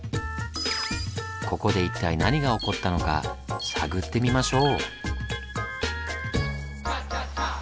ここで一体何が起こったのか探ってみましょう。